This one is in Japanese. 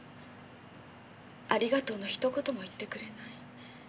ありがとうのひと言も言ってくれない。